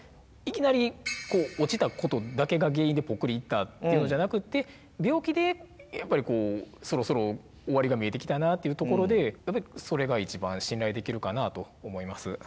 いきなり落ちたことだけが原因でぽっくり逝ったっていうのじゃなくて病気でやっぱりこうそろそろ終わりが見えてきたなっていうところでそれが一番信頼できるかなと思います。